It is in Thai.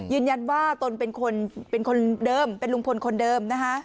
ตนเป็นคนเป็นคนเดิมเป็นลุงพลคนเดิมนะคะ